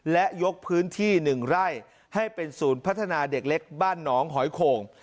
และยกพื้นที่๑ไร่ให้เป็นศูนย์พัฒนาเด็กเล็กบ้านหนองหอยโข่ง